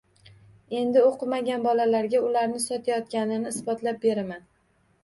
Endi o`qimagan bolalarga ularni sotayotganini isbotlab beraman